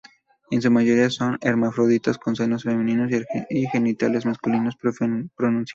En su mayoría son hermafroditas con senos femeninos y genitales masculinos pronunciados.